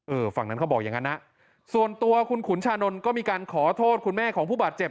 ฝั่งนั้นเขาบอกอย่างนั้นนะส่วนตัวคุณขุนชานนท์ก็มีการขอโทษคุณแม่ของผู้บาดเจ็บ